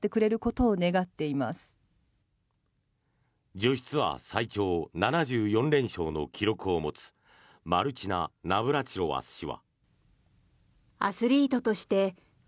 女子ツアー最長７４連勝の記録を持つマルチナ・ナブラチロワ氏は。